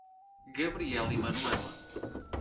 Gabriel e Manuela